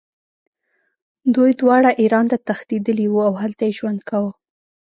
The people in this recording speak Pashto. دوی دواړه ایران ته تښتېدلي وو او هلته یې ژوند کاوه.